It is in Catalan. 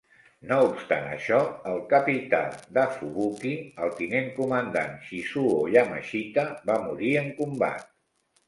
No obstant això, el capità de "Fubuki", el tinent comandant Shizuo Yamashita, va morir en combat.